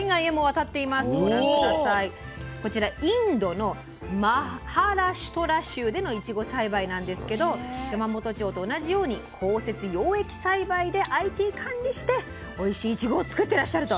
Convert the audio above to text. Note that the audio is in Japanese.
こちらインドのマハラシュトラ州でのいちご栽培なんですけど山元町と同じように高設養液栽培でＩＴ管理しておいしいいちごを作ってらっしゃると。